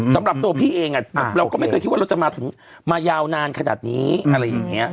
สำหรับตัวพี่เองเราก็ไม่เคยคิดว่าเราจะมาถึงมายาวนานขนาดนี้อะไรอย่างนี้